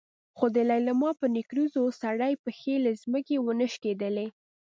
خو د لېلما په نکريزو سرې پښې له ځمکې ونه شکېدلې.